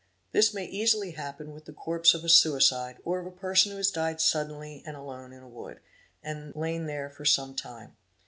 This may easily happen with the corpse of a s icide, or of a person who has died suddenly and alone in a wood, and Jain there for some time.